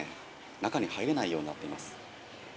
中に入れないようになってます。